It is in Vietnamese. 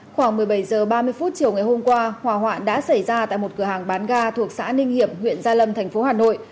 khoảng một mươi bảy h ba mươi phút chiều ngày hôm qua hòa hoạn đã xảy ra tại một cửa hàng bán ga thuộc xã ninh hiểm huyện gia lâm tp hà nội